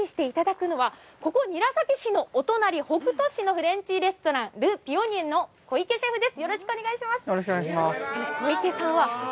調理していただくのは、ここ韮崎市のお隣、北杜市のフレンチレストラン、ル・ピオニエの小池シェフです。